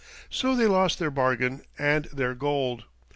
So they lost their bargain and their gold.